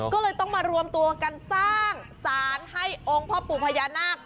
ก็เลยต้องมารวมตัวกันสร้างสารให้องค์พ่อปู่พญานาค